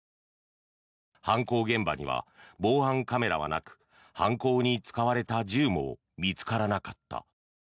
犯行現場には防犯カメラはなく犯行に使われた銃も見つからなかった。